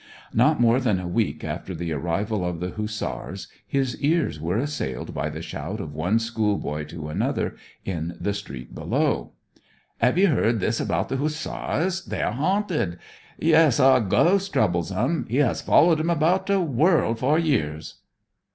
Not more than a week after the arrival of the Hussars his ears were assailed by the shout of one schoolboy to another in the street below. 'Have 'ee heard this about the Hussars? They are haunted! Yes a ghost troubles 'em; he has followed 'em about the world for years.'